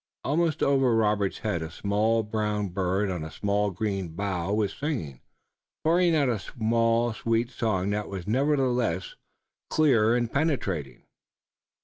Almost over Robert's head a small brown bird on a small green bough was singing, pouring out a small sweet song that was nevertheless clear and penetrating.